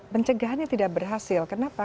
pencegahannya tidak berhasil kenapa